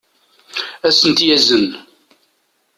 ad as-ten-yazen